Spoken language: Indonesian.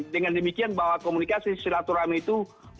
dengan demikian bahwa komunikasi silaturahmi itu melampaui kepentingan politik